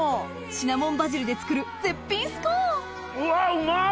シナモンバジルで作る絶品スコーンうわうまい！